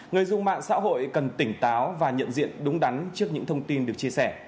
người dùng mạng xã hội cần tỉnh táo và nhận diện đúng đắn trước những thông tin được chia sẻ